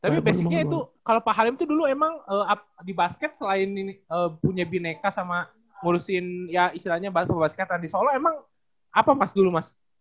tapi basicnya itu kalau pak halim itu dulu emang di basket selain punya bineka sama ngurusin ya istilahnya bask basketan di solo emang apa mas dulu mas